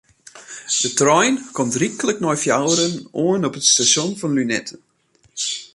De trein komt ryklik nei fjouweren oan op it stasjon fan Lunetten.